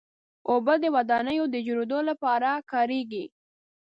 اوبه د ودانیو د جوړېدو لپاره کارېږي.